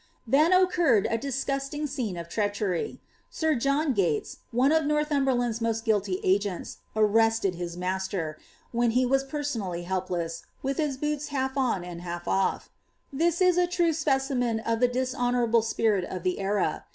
Then occurred a disgusting scene of treachery :— sir John Gates, one of Northumberland's most guilty agents, arrested his master, when he was personally helpless, witli his boots half on and half off This was a true specimen of the dishonourable spirit of the eta.